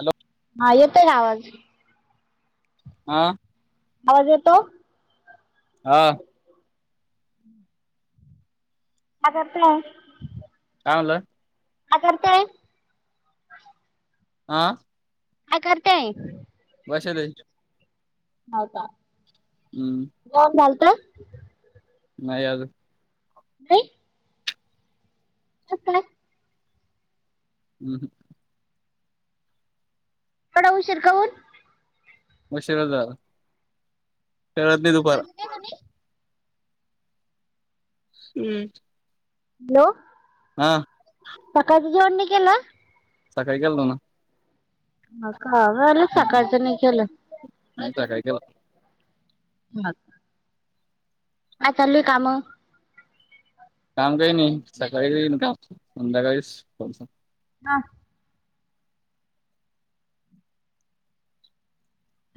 Hello हा येतोय ना आवाज हा आवाज येतो? हा माझा प्लॅन का म्हनल का करताय आह काय करताय? बसलंय. हो कां हम्म. जेवण झालत नाही आजून. नाही. कसं काय. [inaudible] एवढा उशीर कावून. उशीर झाला खेळत नाही दुपार [inaudible] हम्म. हॅलो. हां. सकाळचं जोडणी केला? सकाळी खालो ना. म का बरं सकाळच नाही केलं. [inaudible] [inaudible] काय चालय काम? काम काही नाही सकाळी काही काम संध्याकाळी. हा.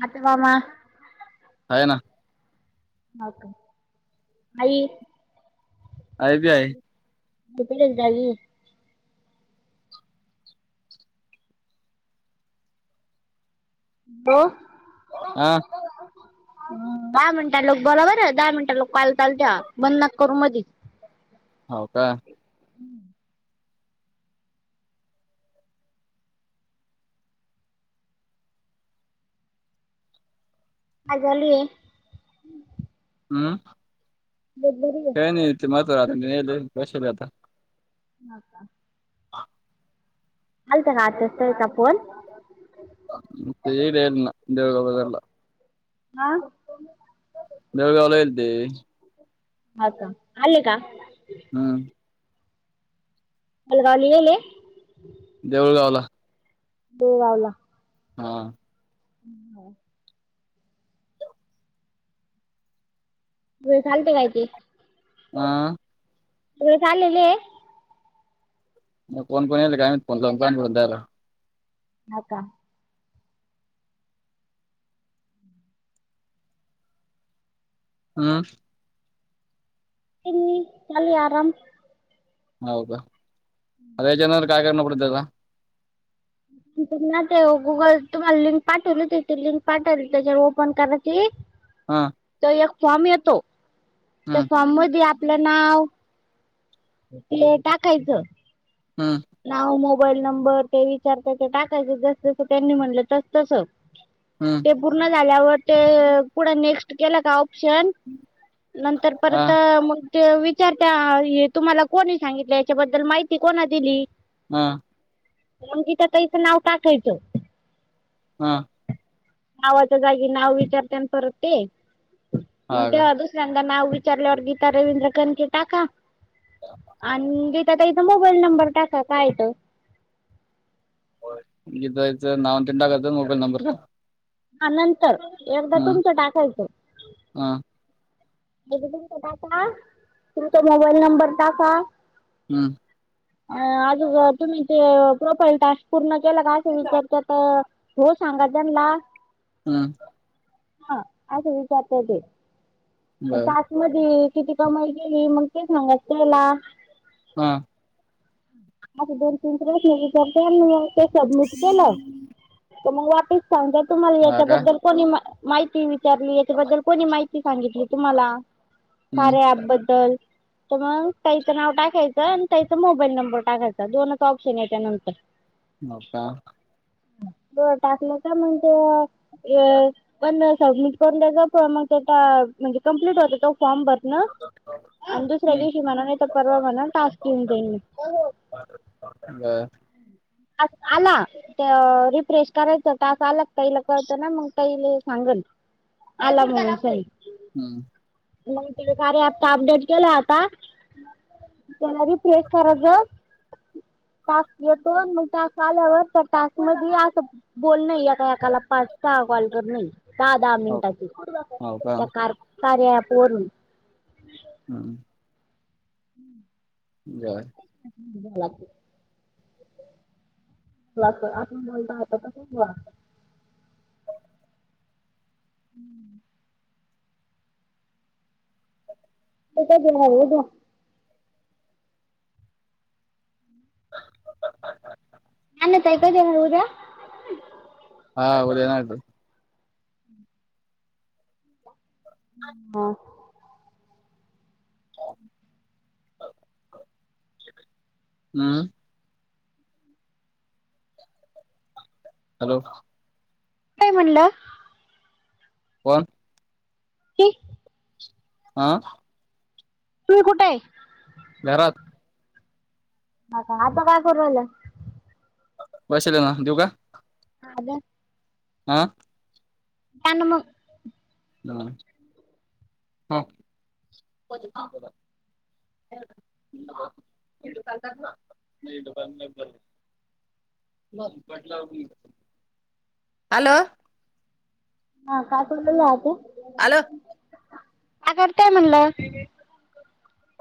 आती, मामा. आहे ना. हो का. आई आई बी आहे. [inaudible] हॅलो. हा. दहा मिनिटा लोक बरोबर आहे दहा मिनिटाल कॉल चालू ठेवा बंद नका करू मधीच. हो का. आ झाली. हम्म. [inaudible] [inaudible] हो का. हा. आलता ना आता त्यांचा फोन. [inaudible] हा. बेळगांवला गेलते. ह का आले का. हां हलवालेले. देऊळगावला. हो लावला. हा. ह् हो. लते काय ते. हा. त चाललेले. मग कोण कोण यायलय काय माहीत, फोन लावून पण बोलता यायल. हा का. हं. किणी चाली आराम. होव तर अरे जेवणाला काय करणार उद्याला तुम्हाला ते गुगल तुम्हाला, किंवा लिंक पाठवलिती ती लिंक पाठल. ततेज्यावर ओपन करा की [unintelligible] हा तो एक फॉम येतो. त्या हम्म फॉम मधी आप पलं नाव. ते टाकायचं हां आ. नाव मोबाईल नंबर ते इचार ते ते टाकायच जस कुठे, तेंनी म्हणलं त तस. हं ते पूर्ण झाल्यावर, ते अ पुढं नेक्स्ट केलं का ऑप्शन नंतर परत हा मंग ते विचारत्या ये तुम्हाला कोणी सांगितले, याच्याबद्दल माहिती कोणा दिली. हां मंग गीता ताईच नाव टाकायचं. हा आवाजा जागी नाव, विचारत्यान परत ते मग हा ते का आदू. चंदा नाव विचारल्यावर गीता, रवींद्र खनकी टाका. आणि गीत त्या ताईचा मोबाईल, नंबर टाका काय येतोय. बरं गीताआईच नाव तेन टाकायचं, मोबाईल नंबर का आनंत एकदा हम्म तुमचं टाकायचं. हा. हेज पण ते टाका तुम्ही, त्यो मोबाईल नंबर टाका. आ अं अजून तुम्ही ते प्रोफाईल टास्क पूर्ण केला का असं विचारत्यात. अं. हो सांगा त्यानला हां. हां असं विचारतंय ते. त्या बर टास्कमध्ये किती कमाई केली, मंग ते सांगा त्याला हां आ आस दोन - तीन प्रश्न विचारत्यात. अन् मग ते सबमिट केलं, तर मग वापिस समजा, तुम्हाला हा का याच्याबद्दल कोणी? मा-माहिती वि विचारली. याच्याबद्दल कोणी माहिती सांगितली, तुम्हाला? हम्म कार्या ॲपबद्दल. तर, मंग ताईचं नाव टाकायचं. अन् ताईचं मोबाईल नंबर टाकायचा. दोनच ऑप्शन येत्या नंतर. हो, का? तर टाकलं का? मग ते, ए पण सबमिट [unintelligible] टा म्हणजे कंप्लीट होतो तो. फॉर्म. [unintelligible] अन् दुसऱ्या हम्म दिवशी म्हणा. नाहीतर परवा म्हना. टास्क येऊन जाईन. हो, हो. [unintelligible] बर. टास्क आला तर रिफ्रेश करायचं. टास आला ताईला कळत ना. मंग ताईले सांगल. आला म्हणून [inaudible] हम्. मग ते, कार्या ॲप अपडेट केलं. आता पुन्हा रिफ्रेश करायचं. तास येतो. तास आल्यावर, त्या तास मधी असं बोलनय. एका- एकाला, पाच- सहा कॉल करनय. दहा - दहा हो मिनिटाची. हो का त्या कार- कार्या ॲपवरून. हम. हं. जेवण. झाला आताच. [unintelligible] आपण बोलता आता, तसंच बोलायचं. हम्म. [unintelligible] काहीतरी हाय उद्या? हा उद्या [unintelligible] हा. [inaudible] अं. हॅलो. काय म्हणलं? कोण? [unintelligible] आं? तुम्ही कुठय? घरात. हा, का? आता काय, करू राहिल्या? पैसे देऊ ना? देऊ का? हा, दे. अं. द्या न, मग. ह. [unintelligible] [unintelligible] बर. [unintelligible] हॅलो. हा कायकलेलाहात हॅलो आगरतय म्हणलं.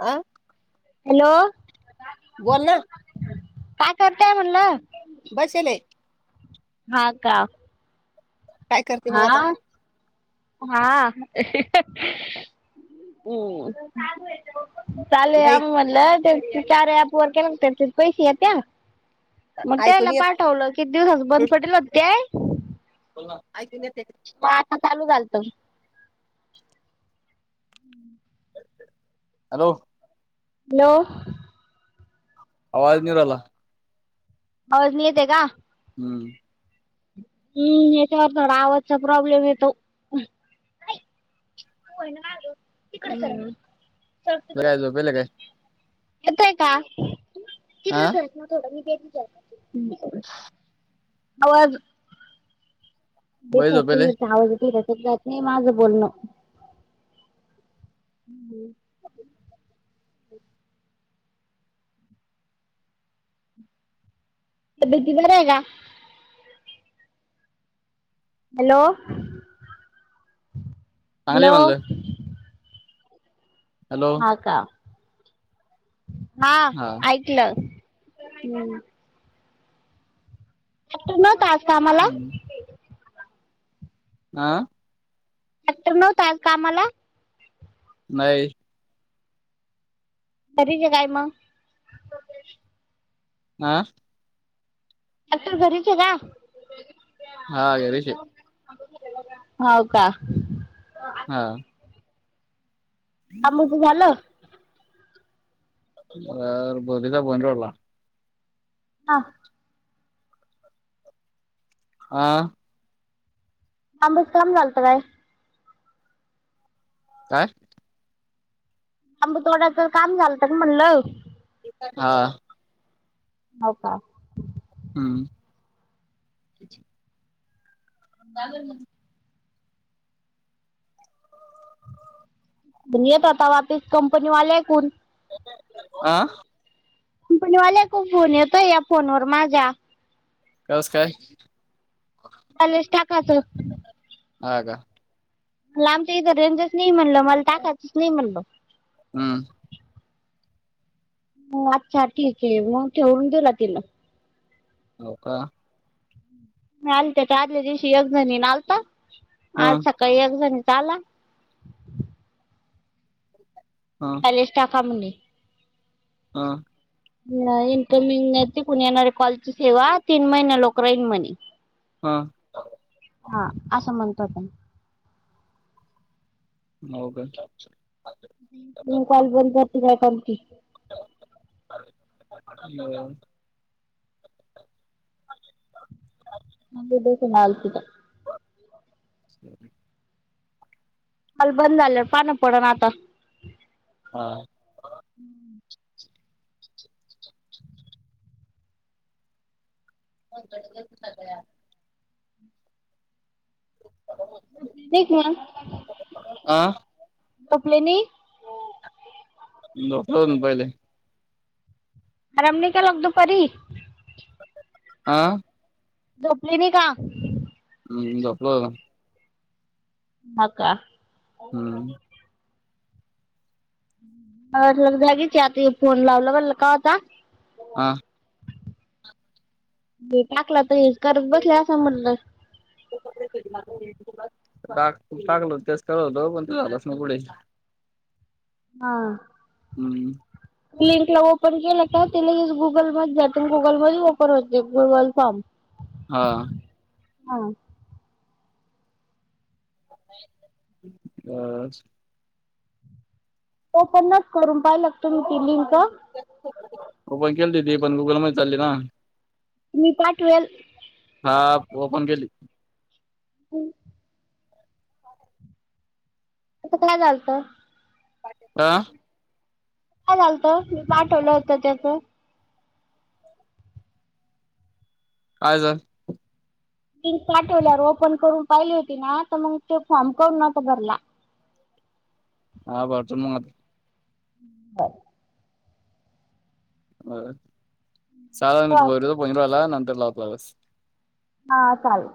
आं हॅलो काय करतेय म्हणलं. बस एलाय. हा का काय करते हा मग आता हा. चालू आहे बाई आम म्हधलं चार अू ववर केला म पैसे या त्या मग त्याला ऐकून येत पाठवलं की दिवसस बंद पडेल होतेय. बोला ऐक पा चालू चालतो. हम्म. हॅलो. हॅलो. आवाज निीरला आवाज नाही येते का? हम्म. हम्म हच्यावर थोडा आवाजचा प्रॉब्लेम येतो. हो ना तिकडे बेजो पेला काय? येतय का हा तिकडेस ना थोडं मी [inaudible] आवाज बाई झोपेले आवाज य नाही माझं बोलणं. हम्. बीती पण आहे का? हॅलो चांगली हॅलो. म्हणलं हॅलो हा का हा ऐकलं ह. नतास का आम्हाला. हा. डाक्टर नव्हत कामला नाही तरीक काय मग. हा. आता घरीच का. हा गेरीशे होव का? हा. आम त झाल. व बधदा बन वाला हा. हा. आम बसकाम घालता काय? काय? आांब थोड्याच काम झालं का म्हणलं? हां हाव का? हम्म कागल म ण येत आता वापीस कंपनी वाले ऐकून. आं कंपनी वाल्या कून फोन येतोय या फोनवर माझ्या नमस्कार बॅलेन्स टाकायचं. हां का. म्हणल आमच्या इथ तर रेंजच नाही म्हणलं मला टाकायच नाही म्हणलं‌ हम्म हो अच्छा ठीक आहे मग ठेवून दिला तिनं. हो का. आल त्या तर आदल्या दिवशी एकजणीन आलता आज हं सकाळी एक जणीचा आला. हां बॅलन्स टाका म्हणे. हां इन्कमिंग नाही तिकून येणारे कॉलची सेवा तीन महिने लोक राहीन म्हणे‌ हां हा असं म्हणत होते. हो का म कॉल बंद करते काय [unintelligible] [unintelligible] [unintelligible] [inaudible] काल बंद झालंय पान पडन आता. हां - [inaudible] - [inaudible] फोन कट [unintelligible] सगळ्या ठीक मग आ झोपले नाही. झोपलो होतो पहिले. आराम नाय केला का दुपारी? हां झोपली नाही का? हम्म झोपलो. हां का? हम्म मला वाटलं जागीचय आता ह्यो फोन लावला म्हणल कवाचा. हां हे टाकला तर हेच करत बसले असल म्हनलं. टाक तू टाकल होत तेच टाकल पण ढळनाच ना पुढे. हां हम्म लिंकला ओपन केलं का ते लगेच गुगल मध्ये जात गुगल मध्येच ओपन होतेते गुगल फॉर्म हा हा बस ओपन नवती करून पाहिल का तुम्ही ती लिंक ओपन केलती ती पण गुगल मध्ये चालली ना. मी पाठवेल. हा ओपन केली. हम्म आता काय झालंत. अ काय झालत मी पाठवलं होत त्याचं कायच. लिंक पाठवल्यावर ओपन करून पाहिली होती ना तर मग ते फॉर्म कउन नव्हता भरला. हा भरच मद ह साधारण परवाला नंतर लावतोस. हा चालल.